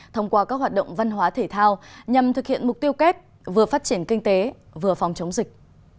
thông qua các hoạt động văn hóa thể thao nhằm thực hiện mục tiêu kép vừa phát triển kinh tế vừa phòng chống dịch